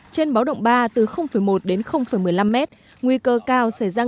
trên báo động ba từ một đến một mươi năm mét